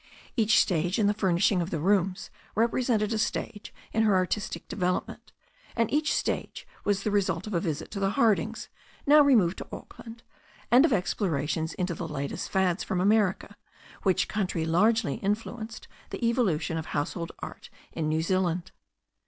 Each stage in the furnishing of the rooms repre« sented a stage in her artistic development, and each stage was the result of a visit to the Hardings, now removed to Auckland, and of explorations into the latest fads from America, which country largely influenced the evolution of household art in New Zealand.